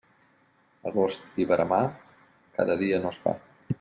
Agost i veremà, cada dia no es fa.